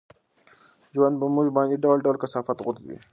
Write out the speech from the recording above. ژوند په موږ باندې ډول ډول کثافات غورځوي.